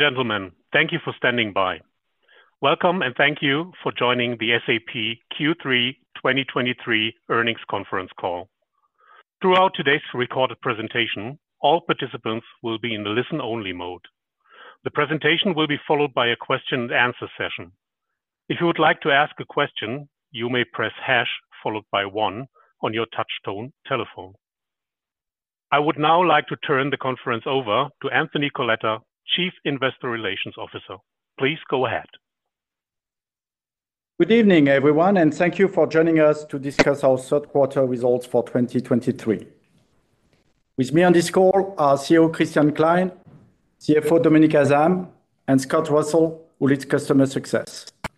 Gentlemen, thank you for standing by. Welcome, and thank you for joining the SAP Q3 2023 Earnings Conference Call. Throughout today's recorded presentation, all participants will be in the listen-only mode. The presentation will be followed by a question and answer session. If you would like to ask a question, you may press hash followed by one on your touch-tone telephone. I would now like to turn the conference over to Anthony Coletta, Chief Investor Relations Officer. Please go ahead. Good evening, everyone, and thank you for joining us to discuss our third quarter results for 2023. With me on this call are CEO Christian Klein, CFO Dominik Asam, and Scott Russell, who leads Customer Success. You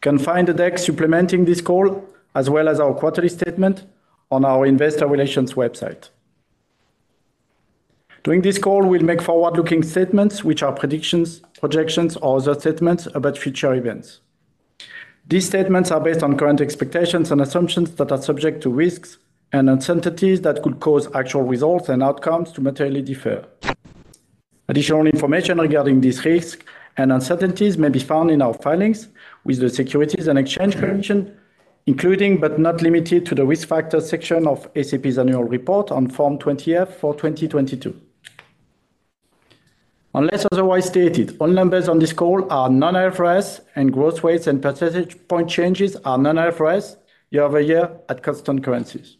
can find the deck supplementing this call, as well as our quarterly statement on our investor relations website. During this call, we'll make forward-looking statements, which are predictions, projections, or other statements about future events. These statements are based on current expectations and assumptions that are subject to risks and uncertainties that could cause actual results and outcomes to materially differ. Additional information regarding this risk and uncertainties may be found in our filings with the Securities and Exchange Commission, including but not limited to the risk factors section of SAP's annual report on Form 20-F for 2022. Unless otherwise stated, all numbers on this call are non-IFRS, and growth rates and percentage point changes are non-IFRS year over year at constant currencies.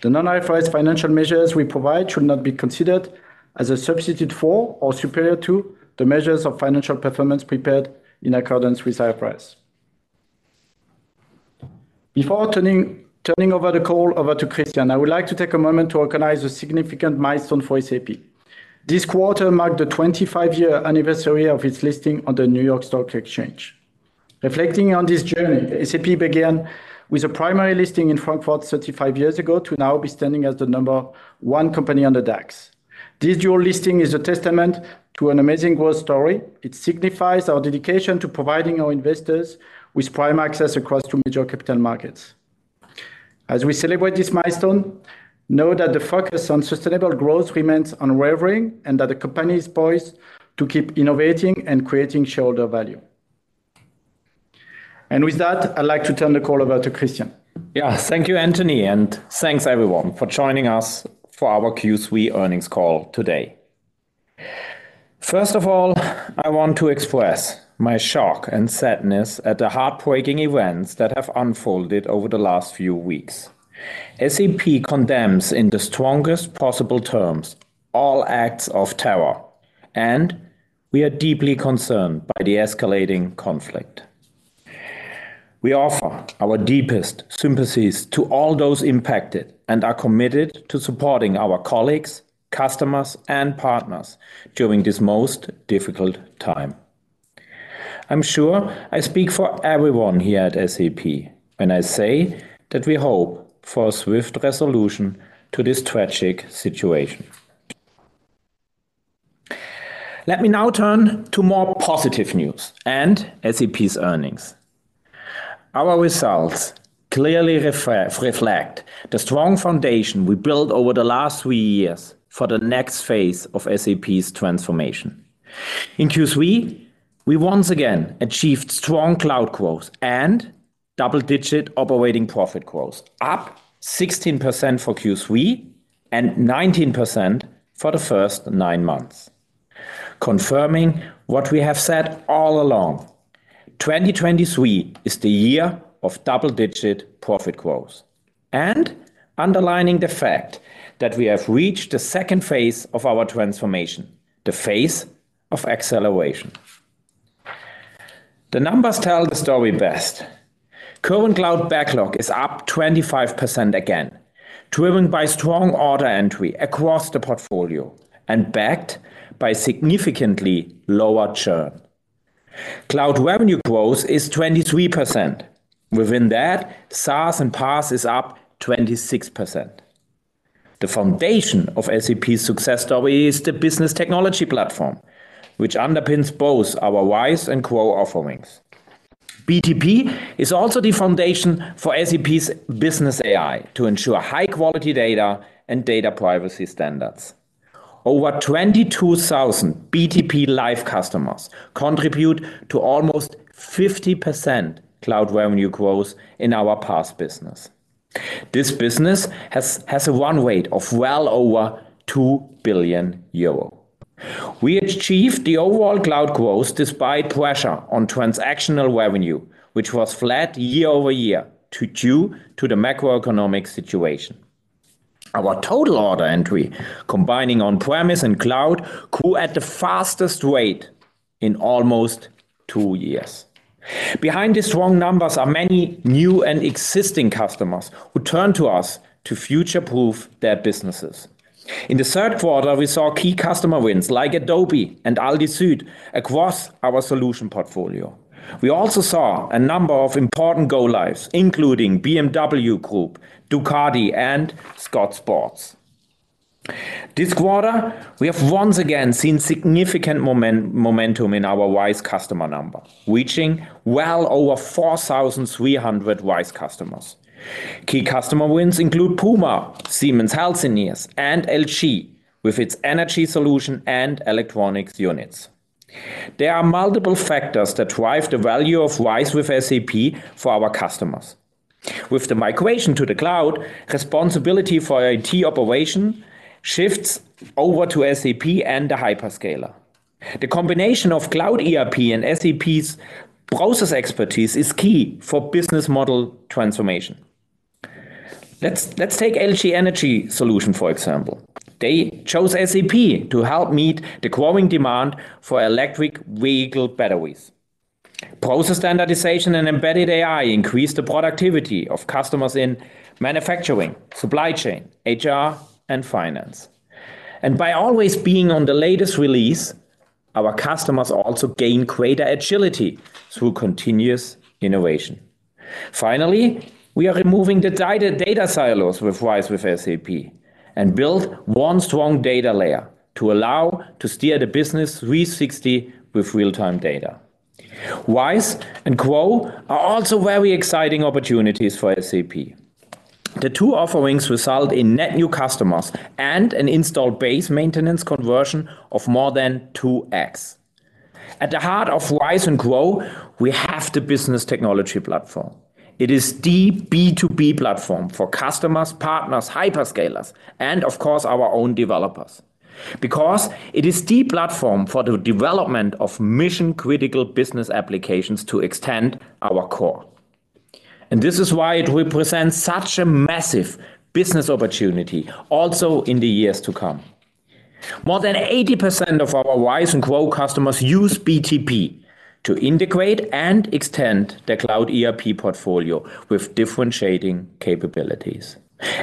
The non-IFRS financial measures we provide should not be considered as a substitute for or superior to the measures of financial performance prepared in accordance with IFRS. Before turning over the call to Christian, I would like to take a moment to recognize a significant milestone for SAP. This quarter marked the 25-year anniversary of its listing on the New York Stock Exchange. Reflecting on this journey, SAP began with a primary listing in Frankfurt 35 years ago to now be standing as the number one company on the DAX. This dual listing is a testament to an amazing growth story. It signifies our dedication to providing our investors with prime access across two major capital markets. As we celebrate this milestone, know that the focus on sustainable growth remains unwavering and that the company is poised to keep innovating and creating shareholder value. And with that, I'd like to turn the call over to Christian. Yeah. Thank you, Anthony, and thanks everyone for joining us for our Q3 earnings call today. First of all, I want to express my shock and sadness at the heartbreaking events that have unfolded over the last few weeks. SAP condemns, in the strongest possible terms, all acts of terror, and we are deeply concerned by the escalating conflict. We offer our deepest sympathies to all those impacted and are committed to supporting our colleagues, customers, and partners during this most difficult time. I'm sure I speak for everyone here at SAP when I say that we hope for a swift resolution to this tragic situation. Let me now turn to more positive news and SAP's earnings. Our results clearly reflect the strong foundation we built over the last three years for the next phase of SAP's transformation. In Q3, we once again achieved strong cloud growth and double-digit operating profit growth, up 16% for Q3 and 19% for the first nine months, confirming what we have said all along: 2023 is the year of double-digit profit growth, and underlining the fact that we have reached the second phase of our transformation, the phase of acceleration. The numbers tell the story best. Current cloud backlog is up 25% again, driven by strong order entry across the portfolio and backed by significantly lower churn. Cloud revenue growth is 23%. Within that, SaaS and PaaS is up 26%. The foundation of SAP's success story is the Business Technology Platform, which underpins both our RISE and GROW offerings. BTP is also the foundation for SAP's Business AI to ensure high-quality data and data privacy standards. Over 22,000 BTP live customers contribute to almost 50% cloud revenue growth in our PaaS business. This business has a run rate of well over 2 billion euro. We achieved the overall cloud growth despite pressure on transactional revenue, which was flat year-over-year due to the macroeconomic situation. Our total order entry, combining on-premise and cloud, grew at the fastest rate in almost two years. Behind the strong numbers are many new and existing customers who turn to us to future-proof their businesses. In the third quarter, we saw key customer wins like Adobe and ALDI SÜD across our solution portfolio. We also saw a number of important go-lives, including BMW Group, Ducati, and Scott Sports. This quarter, we have once again seen significant momentum in our RISE customer number, reaching well over 4,300 RISE customers. Key customer wins include PUMA, Siemens Healthineers, and LG, with its Energy Solution and Electronics units. There are multiple factors that drive the value of RISE with SAP for our customers. With the migration to the cloud, responsibility for IT operation shifts over to SAP and the hyperscaler. The combination of Cloud ERP and SAP's process expertise is key for business model transformation. Let's take LG Energy Solution, for example. They chose SAP to help meet the growing demand for electric vehicle batteries. Process standardization and embedded AI increase the productivity of customers in manufacturing, supply chain, HR, and finance. And by always being on the latest release, our customers also gain greater agility through continuous innovation. Finally, we are removing the data silos with RISE with SAP, and build one strong data layer to allow to steer the business 360 with real-time data. RISE and GROW are also very exciting opportunities for SAP. The two offerings result in net new customers and an installed base maintenance conversion of more than 2x. At the heart of RISE and GROW, we have the Business Technology Platform. It is the B2B platform for customers, partners, hyperscalers, and of course, our own developers. Because it is the platform for the development of mission-critical business applications to extend our core. And this is why it represents such a massive business opportunity, also in the years to come. More than 80% of our RISE and GROW customers use BTP to integrate and extend their Cloud ERP portfolio with differentiating capabilities.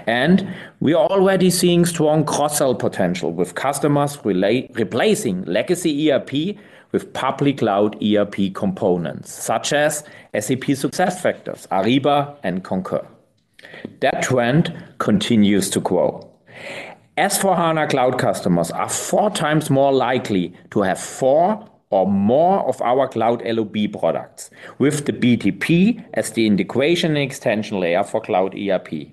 And we are already seeing strong cross-sell potential, with customers replacing legacy ERP with public cloud ERP components, such as SAP SuccessFactors, Ariba, and Concur. That trend continues to grow. S/4HANA Cloud customers are 4x more likely to have four or more of our cloud LoB products, with the BTP as the integration and extension layer for Cloud ERP.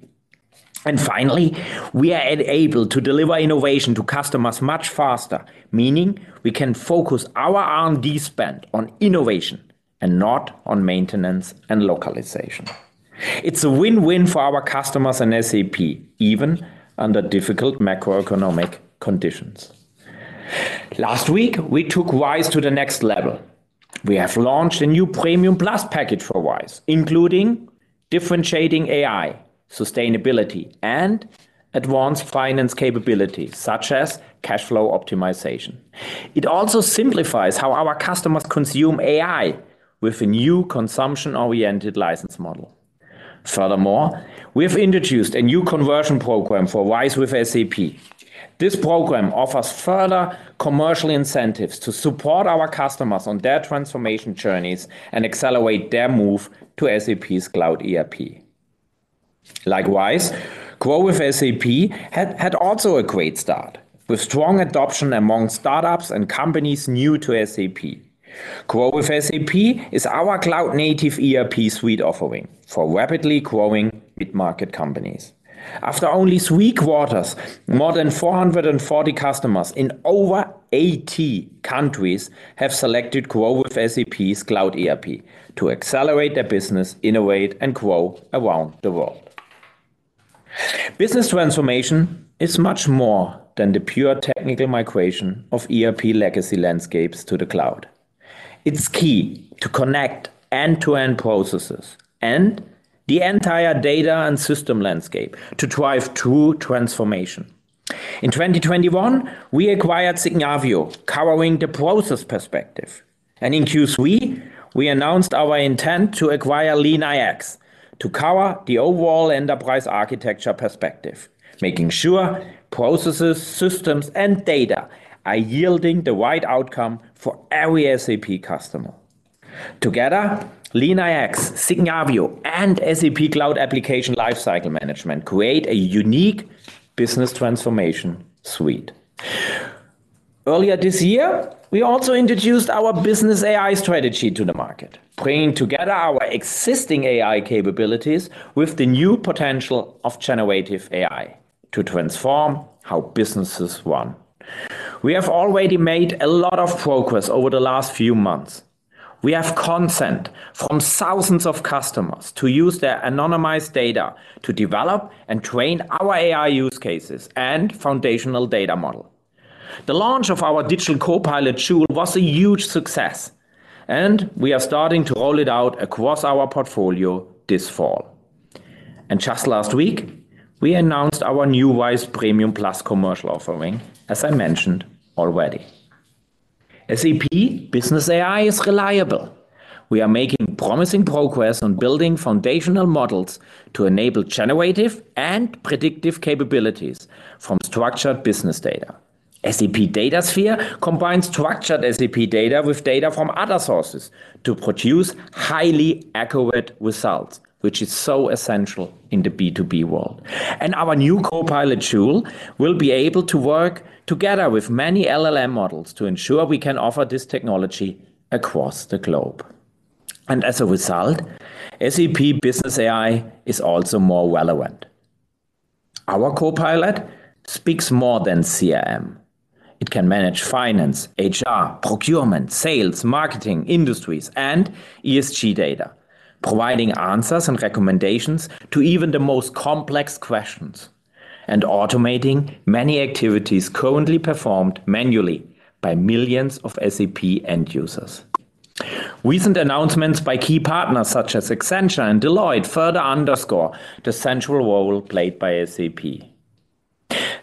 Finally, we are able to deliver innovation to customers much faster, meaning we can focus our R&D spend on innovation and not on maintenance and localization. It's a win-win for our customers and SAP, even under difficult macroeconomic conditions. Last week, we took RISE to the next level. We have launched a new Premium Plus package for RISE, including differentiating AI, sustainability, and advanced finance capabilities, such as cash flow optimization. It also simplifies how our customers consume AI with a new consumption-oriented license model. Furthermore, we have introduced a new conversion program for RISE with SAP. This program offers further commercial incentives to support our customers on their transformation journeys and accelerate their move to SAP's Cloud ERP. Likewise, GROW with SAP had also a great start, with strong adoption among startups and companies new to SAP. GROW with SAP is our cloud-native ERP suite offering for rapidly growing mid-market companies. After only three quarters, more than 440 customers in over 80 countries have selected GROW with SAP's Cloud ERP to accelerate their business, innovate, and grow around the world. Business transformation is much more than the pure technical migration of ERP legacy landscapes to the cloud. It's key to connect end-to-end processes and the entire data and system landscape to drive true transformation. In 2021, we acquired Signavio, covering the process perspective. And in Q3, we announced our intent to acquire LeanIX to cover the overall enterprise architecture perspective, making sure processes, systems, and data are yielding the right outcome for every SAP customer. Together, LeanIX, Signavio, and SAP Cloud Application Lifecycle Management create a unique business transformation suite. Earlier this year, we also introduced our Business AI strategy to the market, bringing together our existing AI capabilities with the new potential of generative AI to transform how businesses run. We have already made a lot of progress over the last few months. We have consent from thousands of customers to use their anonymized data to develop and train our AI use cases and foundational data model. The launch of our Digital Copilot Joule was a huge success, and we are starting to roll it out across our portfolio this fall. And just last week, we announced our new RISE Premium Plus commercial offering, as I mentioned already. SAP Business AI is reliable. We are making promising progress on building foundational models to enable generative and predictive capabilities from structured business data. SAP Datasphere combines structured SAP data with data from other sources to produce highly accurate results, which is so essential in the B2B world. Our new Copilot Joule will be able to work together with many LLM models to ensure we can offer this technology across the globe. As a result, SAP Business AI is also more relevant. Our Copilot speaks more than CRM. It can manage finance, HR, procurement, sales, marketing, industries, and ESG data, providing answers and recommendations to even the most complex questions, and automating many activities currently performed manually by millions of SAP end users. Recent announcements by key partners such as Accenture and Deloitte further underscore the central role played by SAP.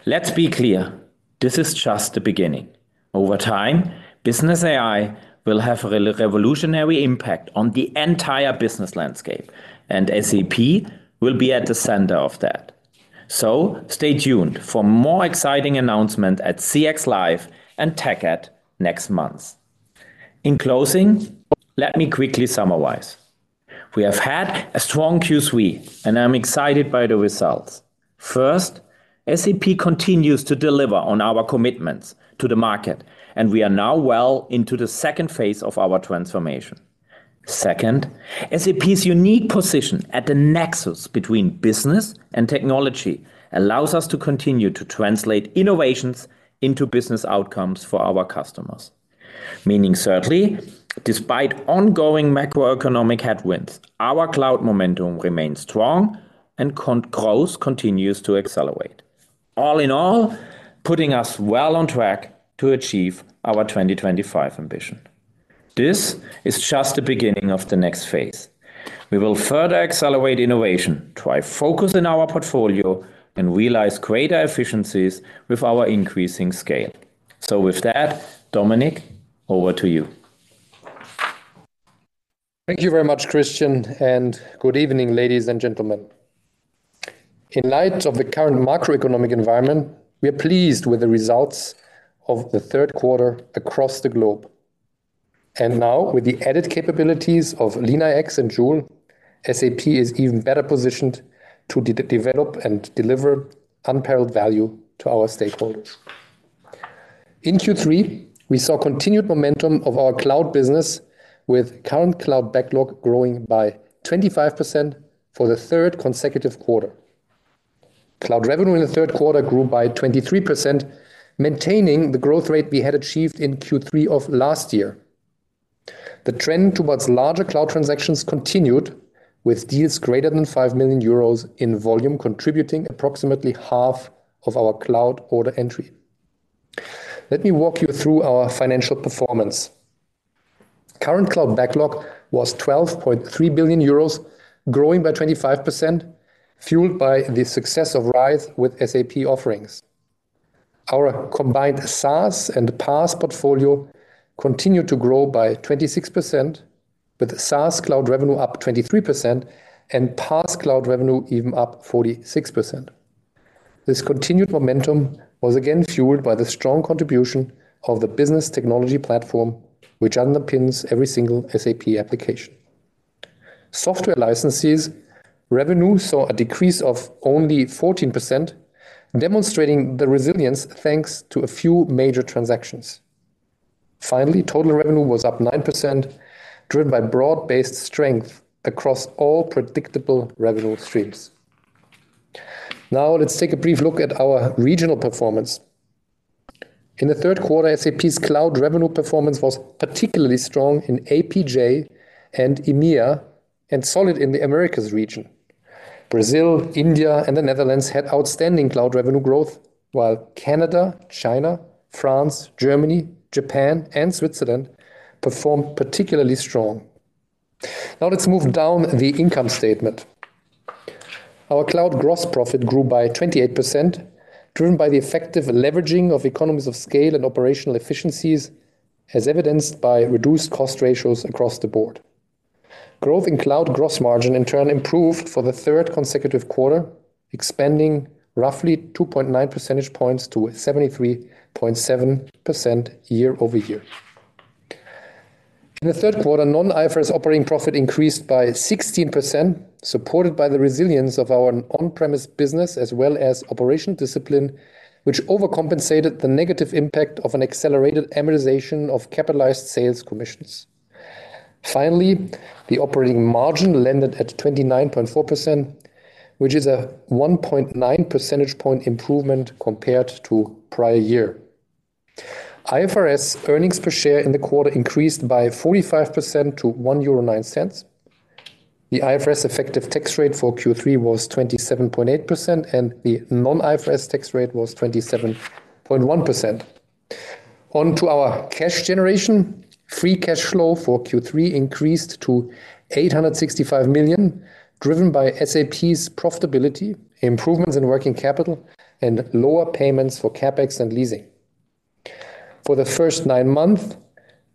Let's be clear, this is just the beginning. Over time, Business AI will have a revolutionary impact on the entire business landscape, and SAP will be at the center of that. So stay tuned for more exciting announcement at CX Live and TechEd next month. In closing, let me quickly summarize. We have had a strong Q3, and I'm excited by the results. First, SAP continues to deliver on our commitments to the market, and we are now well into the second phase of our transformation. Second, SAP's unique position at the nexus between business and technology allows us to continue to translate innovations into business outcomes for our customers. Meaning, thirdly, despite ongoing macroeconomic headwinds, our cloud momentum remains strong and growth continues to accelerate. All in all, putting us well on track to achieve our 2025 ambition. This is just the beginning of the next phase. We will further accelerate innovation, drive focus in our portfolio, and realize greater efficiencies with our increasing scale. So with that, Dominik, over to you. Thank you very much, Christian, and good evening, ladies and gentlemen. In light of the current macroeconomic environment, we are pleased with the results of the third quarter across the globe. And now, with the added capabilities of LeanIX and Joule, SAP is even better positioned to develop and deliver unparalleled value to our stakeholders. In Q3, we saw continued momentum of our cloud business, with current cloud backlog growing by 25% for the third consecutive quarter. Cloud revenue in the third quarter grew by 23%, maintaining the growth rate we had achieved in Q3 of last year. The trend towards larger cloud transactions continued, with deals greater than 5 million euros in volume, contributing approximately half of our cloud order entry. Let me walk you through our financial performance. Current cloud backlog was 12.3 billion euros, growing by 25%, fueled by the success of RISE with SAP offerings. Our combined SaaS and PaaS portfolio continued to grow by 26%, with the SaaS cloud revenue up 23% and PaaS cloud revenue even up 46%. This continued momentum was again fueled by the strong contribution of the Business Technology Platform, which underpins every single SAP application. Software licenses revenue saw a decrease of only 14%, demonstrating the resilience thanks to a few major transactions. Finally, total revenue was up 9%, driven by broad-based strength across all predictable revenue streams. Now, let's take a brief look at our regional performance. In the third quarter, SAP's cloud revenue performance was particularly strong in APJ and EMEA, and solid in the Americas region. Brazil, India, and the Netherlands had outstanding cloud revenue growth, while Canada, China, France, Germany, Japan, and Switzerland performed particularly strong. Now, let's move down the income statement. Our cloud gross profit grew by 28%, driven by the effective leveraging of economies of scale and operational efficiencies, as evidenced by reduced cost ratios across the board. Growth in cloud gross margin in turn improved for the third consecutive quarter, expanding roughly 2.9 percentage points to 73.7% year over year. In the third quarter, non-IFRS operating profit increased by 16%, supported by the resilience of our on-premise business, as well as operation discipline, which overcompensated the negative impact of an accelerated amortization of capitalized sales commissions. Finally, the operating margin landed at 29.4%, which is a 1.9 percentage point improvement compared to prior year. IFRS earnings per share in the quarter increased by 45% to 1.09 euro. The IFRS effective tax rate for Q3 was 27.8%, and the non-IFRS tax rate was 27.1%. On to our cash generation. Free cash flow for Q3 increased to 865 million, driven by SAP's profitability, improvements in working capital, and lower payments for CapEx and leasing. For the first nine months,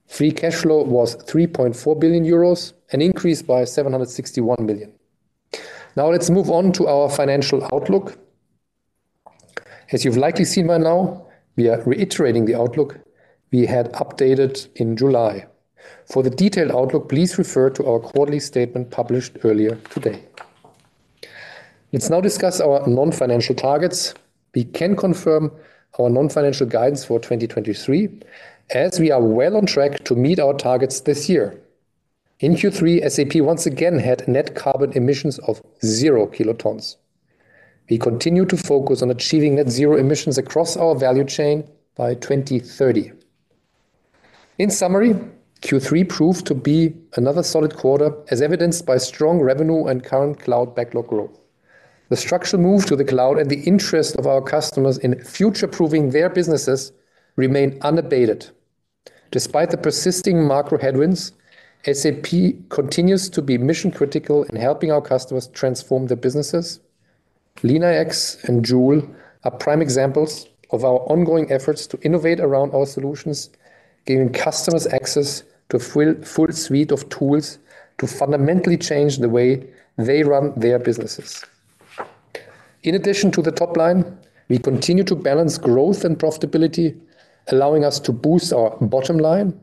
free cash flow was 3.4 billion euros, an increase by 761 million. Now, let's move on to our financial outlook. As you've likely seen by now, we are reiterating the outlook we had updated in July. For the detailed outlook, please refer to our quarterly statement published earlier today. Let's now discuss our non-financial targets. We can confirm our non-financial guidance for 2023, as we are well on track to meet our targets this year. In Q3, SAP once again had net carbon emissions of zero kilotons. We continue to focus on achieving net zero emissions across our value chain by 2030. In summary, Q3 proved to be another solid quarter, as evidenced by strong revenue and current cloud backlog growth. The structural move to the cloud and the interest of our customers in future-proofing their businesses remain unabated. Despite the persisting macro headwinds, SAP continues to be mission-critical in helping our customers transform their businesses. LeanIX and Joule are prime examples of our ongoing efforts to innovate around our solutions, giving customers access to a full, full suite of tools to fundamentally change the way they run their businesses. In addition to the top line, we continue to balance growth and profitability, allowing us to boost our bottom line.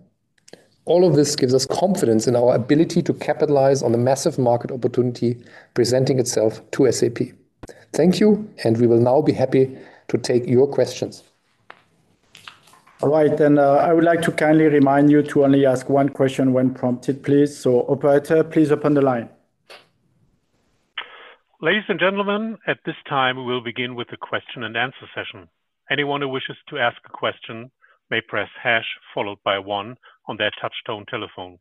All of this gives us confidence in our ability to capitalize on the massive market opportunity presenting itself to SAP. Thank you, and we will now be happy to take your questions. All right, and, I would like to kindly remind you to only ask one question when prompted, please. So operator, please open the line. Ladies and gentlemen, at this time, we will begin with the question and answer session. Anyone who wishes to ask a question may press hash followed by one on their touch-tone telephone.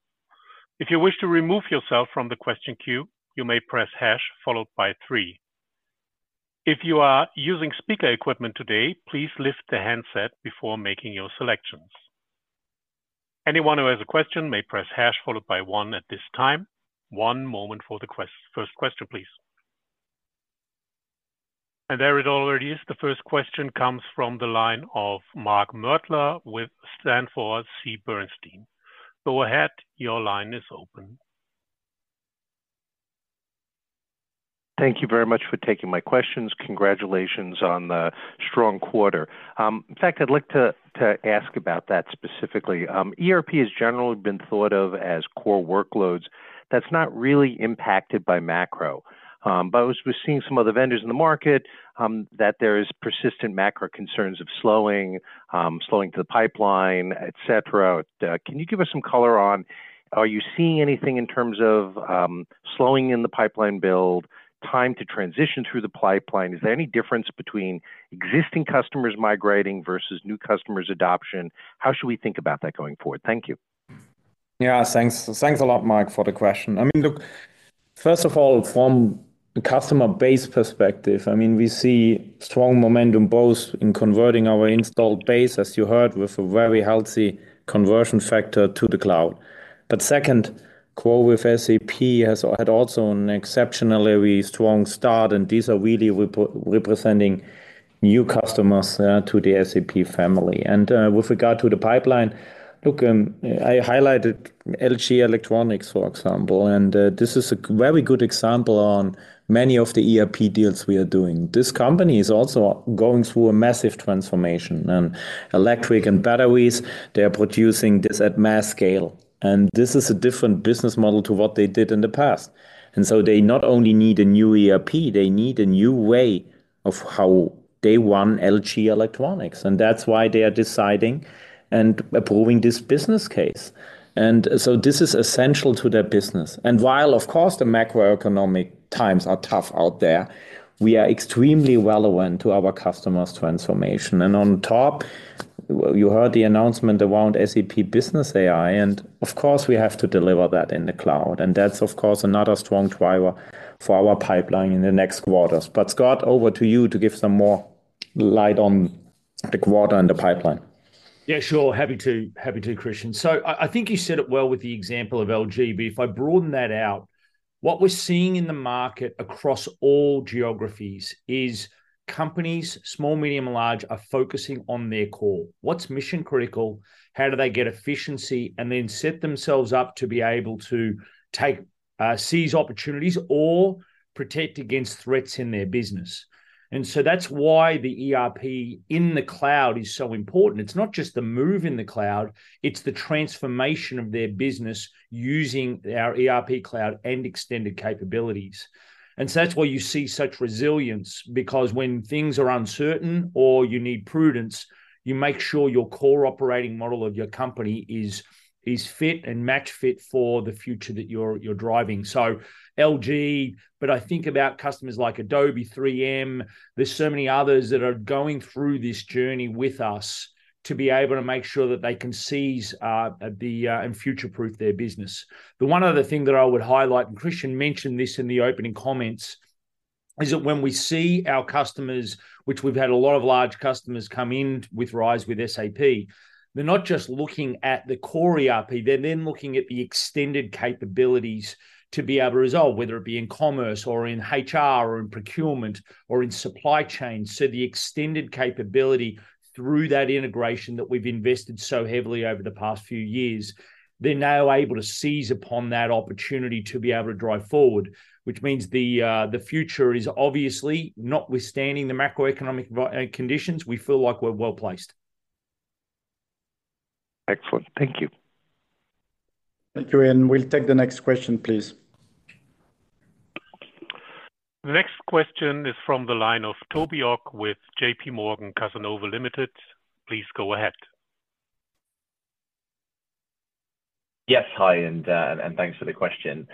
If you wish to remove yourself from the question queue, you may press hash followed by three. If you are using speaker equipment today, please lift the handset before making your selections. Anyone who has a question may press hash followed by one at this time. One moment for the first question, please. And there it already is. The first question comes from the line of Mark Moerdler with Sanford C. Bernstein. Go ahead, your line is open. Thank you very much for taking my questions. Congratulations on the strong quarter. In fact, I'd like to ask about that specifically. ERP has generally been thought of as core workloads that's not really impacted by macro. But as we're seeing some of the vendors in the market, that there is persistent macro concerns of slowing, slowing to the pipeline, et cetera. Can you give us some color on, are you seeing anything in terms of slowing in the pipeline build, time to transition through the pipeline? Is there any difference between existing customers migrating versus new customers adoption? How should we think about that going forward? Thank you. Yeah, thanks. Thanks a lot, Mark, for the question. I mean, look, first of all, from a customer base perspective, I mean, we see strong momentum both in converting our installed base, as you heard, with a very healthy conversion factor to the cloud. But second, core with SAP has had also an exceptionally strong start, and these are really representing new customers to the SAP family. And with regard to the pipeline, look, I highlighted LG Electronics, for example, and this is a very good example on many of the ERP deals we are doing. This company is also going through a massive transformation. And electric and batteries, they are producing this at mass scale, and this is a different business model to what they did in the past. And so they not only need a new ERP, they need a new way of how they run LG Electronics, and that's why they are deciding and approving this business case. And so this is essential to their business. And while, of course, the macroeconomic times are tough out there, we are extremely relevant to our customers' transformation. And on top, well, you heard the announcement around SAP Business AI, and of course, we have to deliver that in the cloud. And that's, of course, another strong driver for our pipeline in the next quarters. But Scott, over to you to give some more light on the quarter and the pipeline. Yeah, sure. Happy to. Happy to, Christian. So I, I think you said it well with the example of LG, but if I broaden that out, what we're seeing in the market across all geographies is companies, small, medium, and large, are focusing on their core. What's mission-critical? How do they get efficiency and then set themselves up to be able to take, seize opportunities or protect against threats in their business? And so that's why the ERP in the cloud is so important. It's not just the move in the cloud, it's the transformation of their business using our ERP cloud and extended capabilities. And so that's why you see such resilience, because when things are uncertain or you need prudence, you make sure your core operating model of your company is, is fit and match fit for the future that you're, you're driving. So LG, but I think about customers like Adobe, 3M, there's so many others that are going through this journey with us to be able to make sure that they can seize and future-proof their business. The one other thing that I would highlight, and Christian mentioned this in the opening comments, is that when we see our customers, which we've had a lot of large customers come in with RISE with SAP, they're not just looking at the core ERP, they're then looking at the extended capabilities to be able to resolve, whether it be in commerce or in HR or in procurement or in supply chain. So the extended capability through that integration that we've invested so heavily over the past few years, they're now able to seize upon that opportunity to be able to drive forward, which means the future is obviously notwithstanding the macroeconomic conditions, we feel like we're well-placed. Excellent. Thank you. Thank you, and we'll take the next question, please. The next question is from the line of Toby Ogg with JPMorgan Cazenove Limited. Please go ahead. Yes. Hi, and thanks for the question.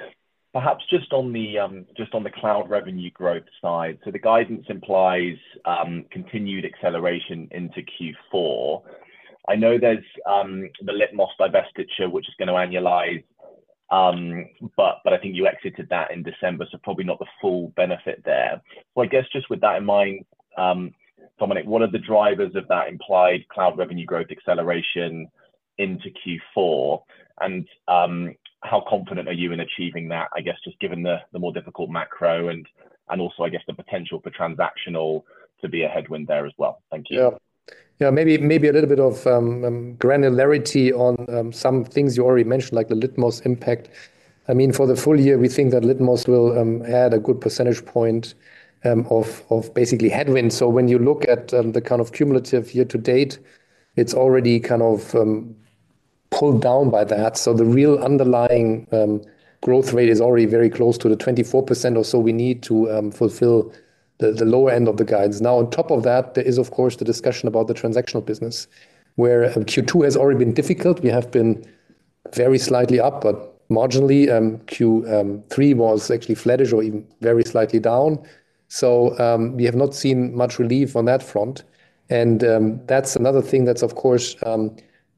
Perhaps just on the cloud revenue growth side. So the guidance implies continued acceleration into Q4. I know there's the Litmos divestiture, which is gonna annualize, but I think you exited that in December, so probably not the full benefit there. So I guess just with that in mind, Dominik, what are the drivers of that implied cloud revenue growth acceleration into Q4, and how confident are you in achieving that, I guess, just given the more difficult macro and also the potential for transactional to be a headwind there as well? Thank you. Yeah. Yeah, maybe, maybe a little bit of granularity on some things you already mentioned, like the Litmos impact. I mean, for the full year, we think that Litmos will add a good percentage point of basically headwind. So when you look at the kind of cumulative year to date, it's already kind of pulled down by that. So the real underlying growth rate is already very close to the 24% or so we need to fulfill the lower end of the guides. Now, on top of that, there is, of course, the discussion about the transactional business, where Q2 has already been difficult. We have been very slightly up, but marginally, Q3 was actually flattish or even very slightly down. So, we have not seen much relief on that front, and that's another thing that's, of course,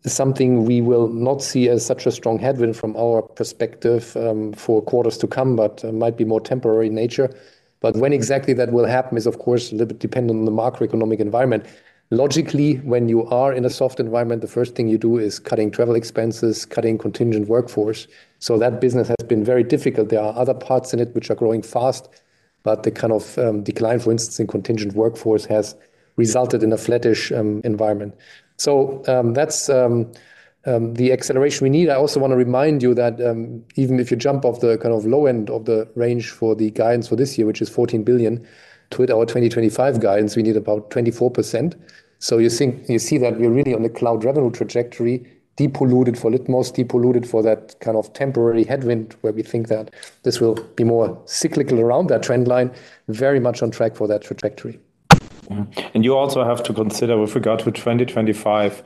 something we will not see as such a strong headwind from our perspective, for quarters to come, but might be more temporary in nature. But when exactly that will happen is, of course, a little bit dependent on the macroeconomic environment. Logically, when you are in a soft environment, the first thing you do is cutting travel expenses, cutting contingent workforce. So that business has been very difficult. There are other parts in it which are growing fast, but the kind of decline, for instance, in contingent workforce, has resulted in a flattish environment. So, that's the acceleration we need. I also want to remind you that, even if you jump off the kind of low end of the range for the guidance for this year, which is 14 billion, to hit our 2025 guidance, we need about 24%. So you think, you see that we're really on the cloud revenue trajectory, depolluted for Litmos, depolluted for that kind of temporary headwind, where we think that this will be more cyclical around that trend line, very much on track for that trajectory. And you also have to consider with regard to 2025, you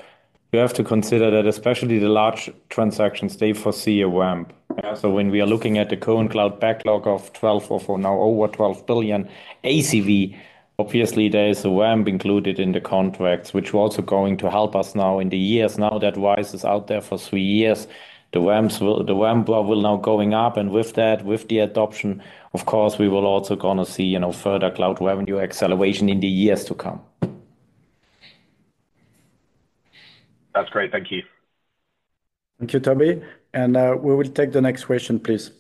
have to consider that especially the large transactions, they foresee a ramp. So when we are looking at the current cloud backlog of 12 or, for now, over 12 billion ACV, obviously, there is a ramp included in the contracts, which were also going to help us now in the years. Now that RISE is out there for three years, the ramp will now going up, and with that, with the adoption, of course, we will also gonna see, you know, further cloud revenue acceleration in the years to come. That's great. Thank you. Thank you, Toby, and we will take the next question, please.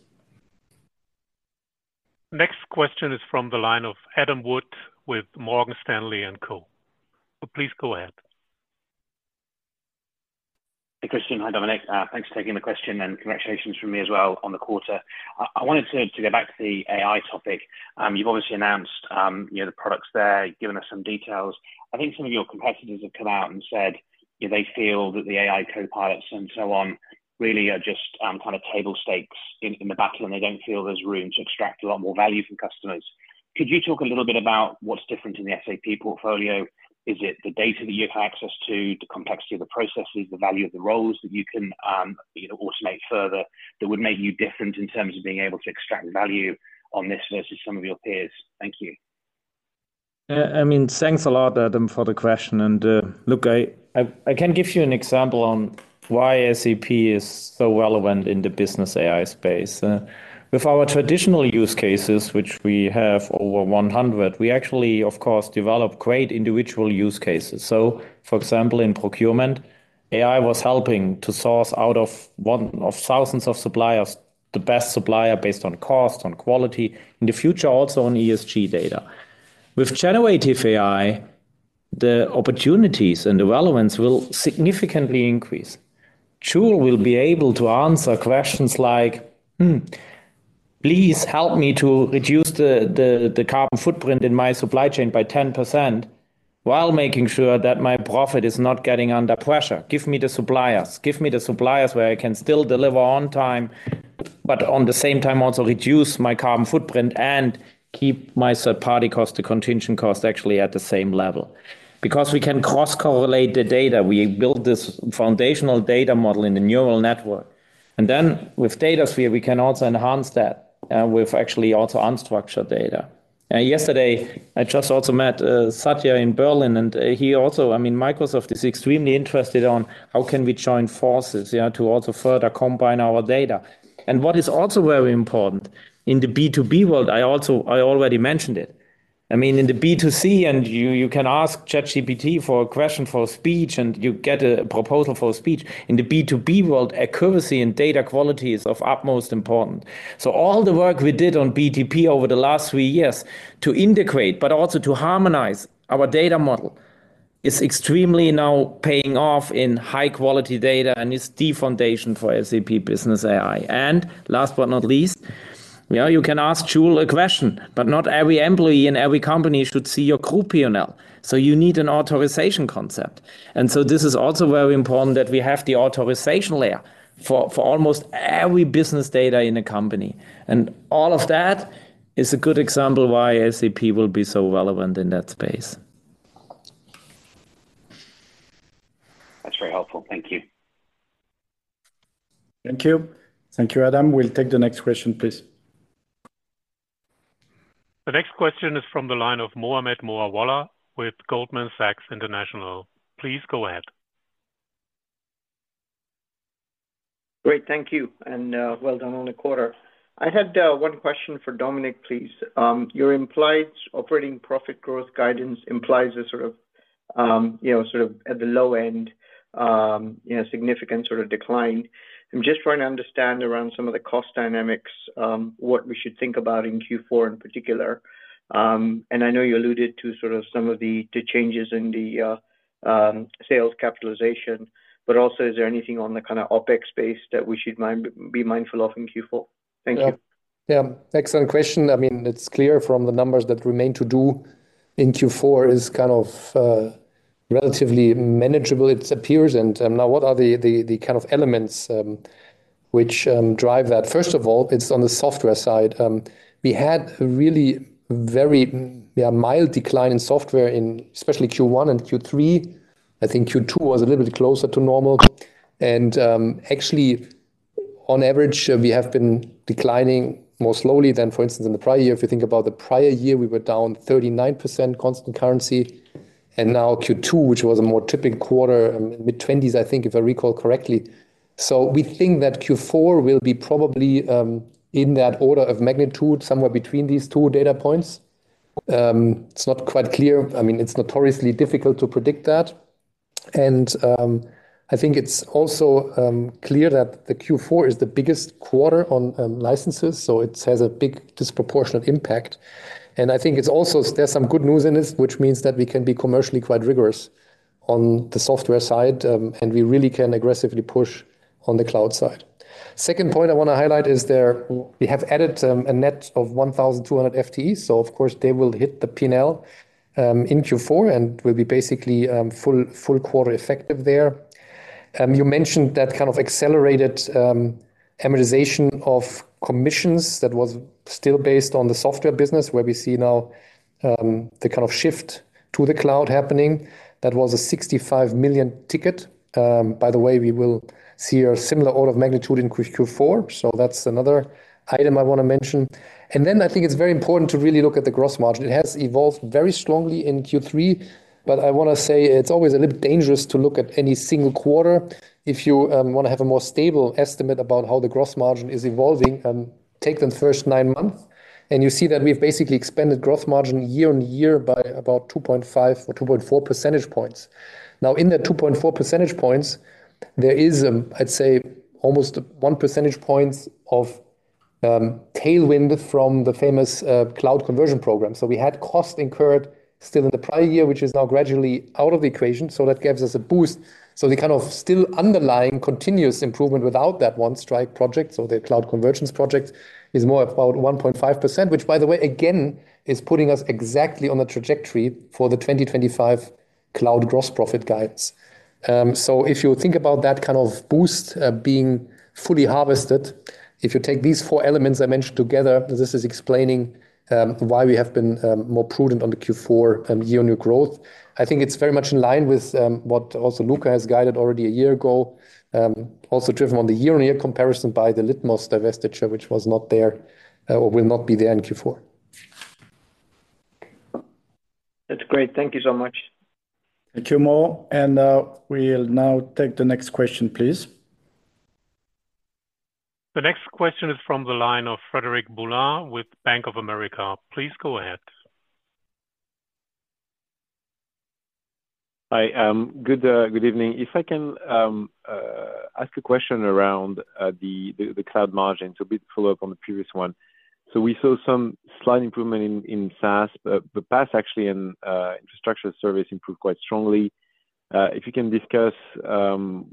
Next question is from the line of Adam Wood with Morgan Stanley and Co. Please go ahead. Hey, Christian. Hi, Dominik. Thanks for taking the question, and congratulations from me as well on the quarter. I wanted to go back to the AI topic. You've obviously announced, you know, the products there, given us some details. I think some of your competitors have come out and said, you know, they feel that the AI copilots and so on really are just kind of table stakes in the battle, and they don't feel there's room to extract a lot more value from customers. Could you talk a little bit about what's different in the SAP portfolio? Is it the data that you have access to, the complexity of the processes, the value of the roles that you can, you know, automate further that would make you different in terms of being able to extract value on this versus some of your peers? Thank you. I mean, thanks a lot, Adam, for the question, and, look, I can give you an example on why SAP is so relevant in the Business AI space. With our traditional use cases, which we have over 100, we actually, of course, develop great individual use cases. So for example, in procurement, AI was helping to source out of one of thousands of suppliers, the best supplier based on cost, on quality, in the future, also on ESG data. With generative AI, the opportunities and the relevance will significantly increase. Sure, we'll be able to answer questions like: Hmm, please help me to reduce the carbon footprint in my supply chain by 10% while making sure that my profit is not getting under pressure. Give me the suppliers. Give me the suppliers where I can still deliver on time, but on the same time, also reduce my carbon footprint and keep my third-party cost to contingent cost actually at the same level. Because we can cross-correlate the data, we build this foundational data model in the neural network, and then with Datasphere, we can also enhance that with actually also unstructured data. Yesterday, I just also met Satya in Berlin, and he also, I mean, Microsoft is extremely interested on how can we join forces, yeah, to also further combine our data. And what is also very important in the B2B world, I also, I already mentioned it. I mean, in the B2C, and you, you can ask ChatGPT for a question for a speech, and you get a proposal for a speech. In the B2B world, accuracy and data quality is of utmost importance. So all the work we did on BTP over the last three years to integrate but also to harmonize our data model, is extremely now paying off in high-quality data and is the foundation for SAP Business AI. And last but not least, yeah, you can ask Joule a question, but not every employee in every company should see your group P&L, so you need an authorization concept. And so this is also very important that we have the authorization layer for almost every business data in a company. And all of that is a good example why SAP will be so relevant in that space. That's very helpful. Thank you. Thank you. Thank you, Adam. We'll take the next question, please. The next question is from the line of Mohammed Moawalla with Goldman Sachs International. Please go ahead. Great, thank you, and well done on the quarter. I had one question for Dominik, please. Your implied operating profit growth guidance implies a sort of, you know, sort of at the low end, you know, significant sort of decline. I'm just trying to understand around some of the cost dynamics, what we should think about in Q4 in particular. And I know you alluded to sort of some of the, the changes in the, sales capitalization, but also, is there anything on the kind of OpEx space that we should mind, be mindful of in Q4? Thank you. Yeah. Yeah, excellent question. I mean, it's clear from the numbers that remain to do in Q4 is kind of relatively manageable, it appears. And now, what are the kind of elements which drive that? First of all, it's on the software side. We had a really very mild decline in software in especially Q1 and Q3. I think Q2 was a little bit closer to normal. And actually, on average, we have been declining more slowly than, for instance, in the prior year. If you think about the prior year, we were down 39% constant currency, and now Q2, which was a more typical quarter, mid-20s, I think, if I recall correctly. So we think that Q4 will be probably in that order of magnitude, somewhere between these two data points. It's not quite clear. I mean, it's notoriously difficult to predict that. I think it's also clear that the Q4 is the biggest quarter on licenses, so it has a big disproportionate impact. I think it's also—there's some good news in this, which means that we can be commercially quite rigorous on the software side, and we really can aggressively push on the cloud side. Second point I want to highlight is there, we have added a net of 1,200 FTE, so of course, they will hit the P&L in Q4 and will be basically full quarter effective there. You mentioned that kind of accelerated amortization of commissions that was still based on the software business, where we see now the kind of shift to the cloud happening. That was a 65 million ticket. By the way, we will see a similar order of magnitude in Q4, so that's another item I want to mention. Then I think it's very important to really look at the gross margin. It has evolved very strongly in Q3, but I want to say it's always a little bit dangerous to look at any single quarter. If you want to have a more stable estimate about how the gross margin is evolving, take the first nine months, and you see that we've basically expanded gross margin year-on-year by about 2.5 or 2.4 percentage points. Now, in that 2.4 percentage points, there is, I'd say, almost 1 percentage point of tailwind from the famous cloud conversion program. So we had cost incurred still in the prior year, which is now gradually out of the equation, so that gives us a boost. So the kind of still underlying continuous improvement without that one strike project, so the cloud convergence project, is more about 1.5%, which, by the way, again, is putting us exactly on the trajectory for the 2025 cloud gross profit guidance. So if you think about that kind of boost, being fully harvested, if you take these four elements I mentioned together, this is explaining, why we have been, more prudent on the Q4, year-on-year growth. I think it's very much in line with, what also Luka has guided already a year ago, also driven on the year-on-year comparison by the Litmos divestiture, which was not there, or will not be there in Q4. That's great. Thank you so much. Thank you, Mo. We'll now take the next question, please. The next question is from the line of Frederick Boulan with Bank of America. Please go ahead. Hi, good evening. If I can ask a question around the cloud margin, so a bit follow-up on the previous one. So we saw some slight improvement in SaaS, but PaaS actually and infrastructure service improved quite strongly. If you can discuss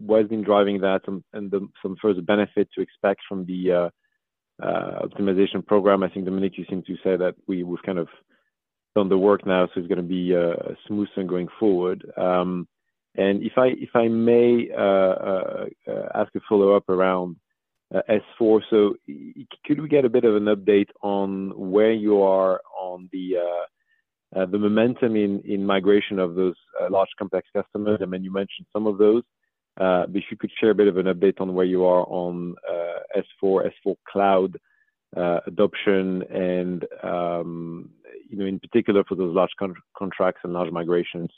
what has been driving that and some further benefit to expect from the optimization program. I think, Dominik, you seem to say that we've kind of done the work now, so it's going to be smoother going forward. And if I may ask a follow-up around S/4. So could we get a bit of an update on where you are on the momentum in migration of those large complex customers? I mean, you mentioned some of those. But if you could share a bit of an update on where you are on S/4, S/4 Cloud adoption, and you know, in particular for those large contracts and large migrations,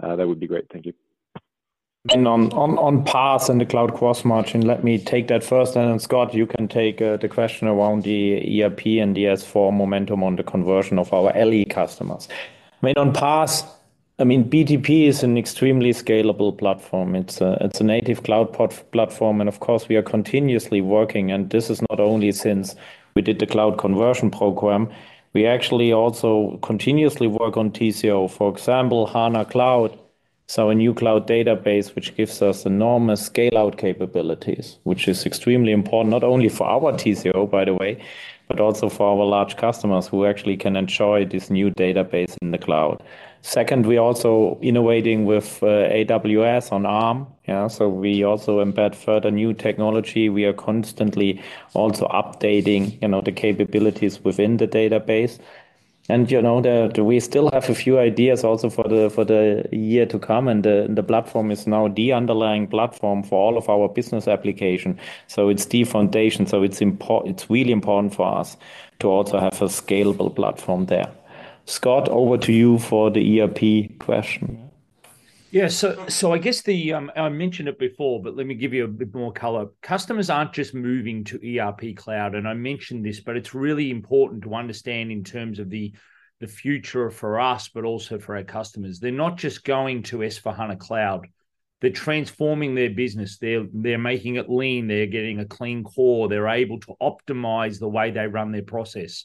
that would be great. Thank you. And on PaaS and the cloud gross margin, let me take that first, and then, Scott, you can take the question around the ERP and the S/4 momentum on the conversion of our LE customers. I mean, on PaaS, I mean, BTP is an extremely scalable platform. It's a native cloud platform, and of course, we are continuously working, and this is not only since we did the cloud conversion program. We actually also continuously work on TCO. For example, HANA Cloud, so a new cloud database, which gives us enormous scale-out capabilities, which is extremely important, not only for our TCO, by the way, but also for our large customers who actually can enjoy this new database in the cloud. Second, we're also innovating with AWS on ARM. Yeah, so we also embed further new technology. We are constantly also updating, you know, the capabilities within the database. And, you know, we still have a few ideas also for the year to come, and the platform is now the underlying platform for all of our business application. So it's the foundation, so it's important, it's really important for us to also have a scalable platform there. Scott, over to you for the ERP question. Yeah. So, so I guess the, I mentioned it before, but let me give you a bit more color. Customers aren't just moving to ERP cloud, and I mentioned this, but it's really important to understand in terms of the future for us, but also for our customers. They're not just going to S/4HANA Cloud, they're transforming their business. They're making it lean, they're getting a clean core, they're able to optimize the way they run their process.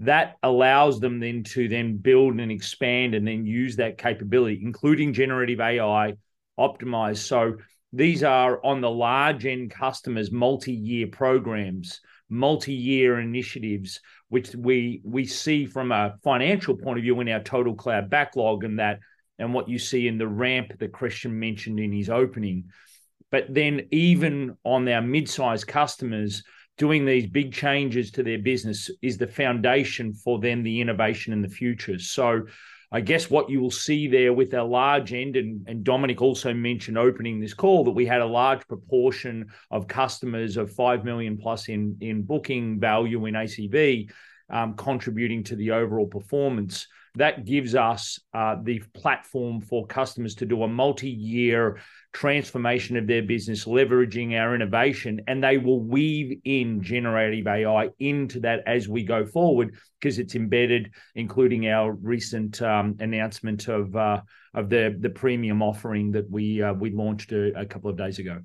That allows them then to build and expand, and then use that capability, including generative AI optimized. So these are on the large end customers, multi-year programs, multi-year initiatives, which we see from a financial point of view in our total cloud backlog, and that, and what you see in the ramp that Christian mentioned in his opening. But then even on our mid-sized customers, doing these big changes to their business is the foundation for then the innovation and the future. So I guess what you will see there with our large end, and Dominik also mentioned opening this call, that we had a large proportion of customers of 5 million+ in booking value in ACV, contributing to the overall performance. That gives us the platform for customers to do a multi-year transformation of their business, leveraging our innovation, and they will weave in generative AI into that as we go forward, 'cause it's embedded, including our recent announcement of the premium offering that we launched a couple of days ago.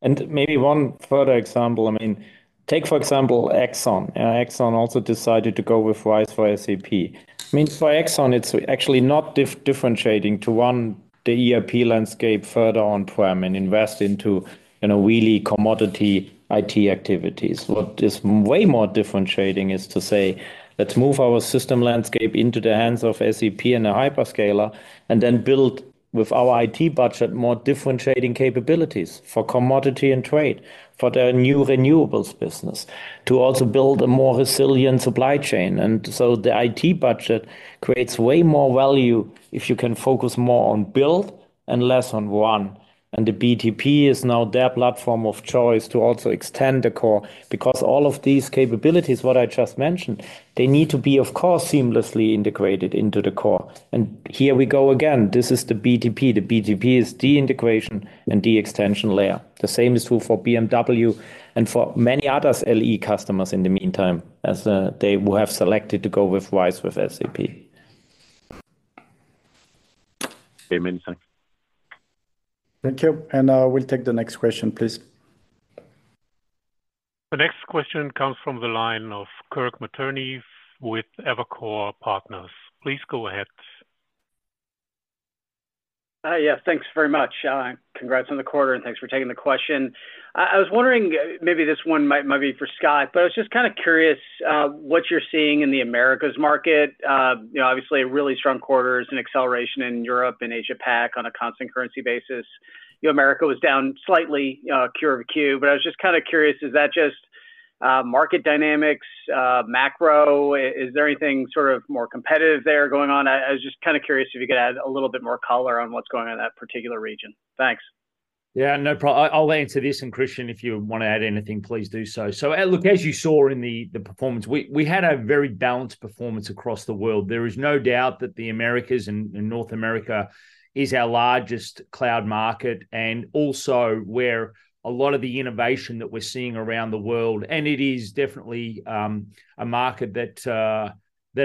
And maybe one further example, I mean, take, for example, Exxon. Exxon also decided to go with RISE with SAP. Means for Exxon, it's actually not differentiating to run the ERP landscape further on-prem and invest into, you know, really commodity IT activities. What is way more differentiating is to say, "Let's move our system landscape into the hands of SAP and a hyperscaler, and then build with our IT budget more differentiating capabilities for commodity and trade, for the new renewables business, to also build a more resilient supply chain." And so the IT budget creates way more value if you can focus more on build and less on run. And the BTP is now their platform of choice to also extend the core, because all of these capabilities, what I just mentioned, they need to be, of course, seamlessly integrated into the core. And here we go again, this is the BTP. The BTP is the integration and the extension layer. The same is true for BMW and for many others LE customers in the meantime, as they will have selected to go with RISE with SAP. Okay, many thanks. Thank you, and we'll take the next question, please. The next question comes from the line of Kirk Materne with Evercore Partners. Please go ahead. Yeah, thanks very much. Congrats on the quarter, and thanks for taking the question. I was wondering, maybe this one might be for Scott, but I was just kind of curious what you're seeing in the Americas market. You know, obviously, a really strong quarters and acceleration in Europe and Asia Pac on a constant currency basis. You know, America was down slightly, Q-over-Q. But I was just kind of curious, is that just market dynamics, macro? Is there anything sort of more competitive there going on? I was just kind of curious if you could add a little bit more color on what's going on in that particular region. Thanks. Yeah, no. I, I'll answer this, and Christian, if you want to add anything, please do so. So, look, as you saw in the performance, we had a very balanced performance across the world. There is no doubt that the Americas and North America is our largest cloud market, and also where a lot of the innovation that we're seeing around the world. And it is definitely a market that